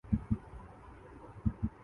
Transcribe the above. یہ ان کا حق ہے۔